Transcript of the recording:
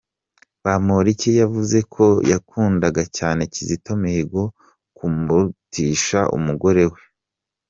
Bamporiki yavuze ko yakundaga cyane Kizito Mihigo kumurutisha umugore we.